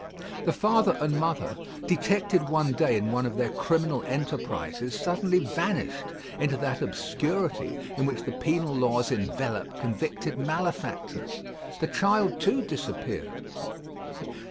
The father and mother, detected one day in one of their criminal enterprises, suddenly vanished into that obscurity in which the penal laws envelop convicted malefactors. The child, too, disappeared.